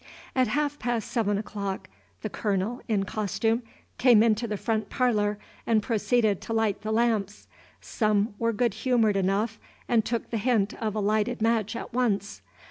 At half past seven o'clock, the Colonel, in costume, came into the front parlor, and proceeded to light the lamps. Some were good humored enough and took the hint of a lighted match at once.